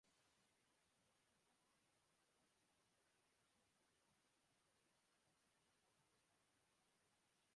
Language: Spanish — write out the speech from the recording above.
La imagen de Jesús del Silencio lleva potencias en oro de ley.